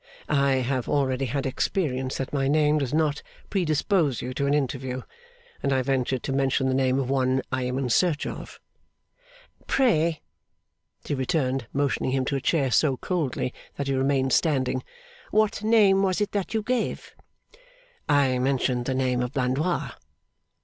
I have already had experience that my name does not predispose you to an interview; and I ventured to mention the name of one I am in search of.' 'Pray,' she returned, motioning him to a chair so coldly that he remained standing, 'what name was it that you gave?' 'I mentioned the name of Blandois.